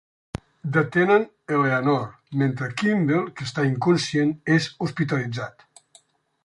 Detenen Eleanor, mentre Kimble, que està inconscient, és hospitalitzat.